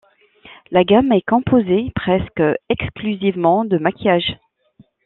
La gamme est composée presque exclusivement de maquillage.